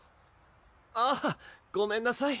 あぁごめんなさい